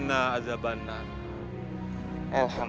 dan kami berdoa untuk kematian